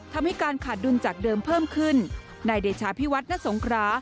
ทำให้การขาดดุลจากเดิมเพิ่มขึ้นนายเดชาพิวัฒนสงครา